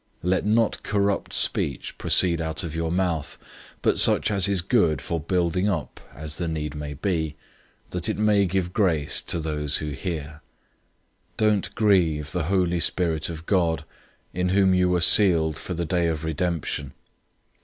004:029 Let no corrupt speech proceed out of your mouth, but such as is good for building up as the need may be, that it may give grace to those who hear. 004:030 Don't grieve the Holy Spirit of God, in whom you were sealed for the day of redemption.